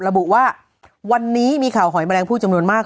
ระบุว่าวันนี้มีข่าวหอยแมลงผู้จำนวนมาก